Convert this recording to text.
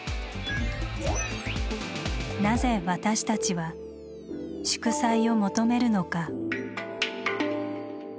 なぜ私たちは祝祭を求めるのか？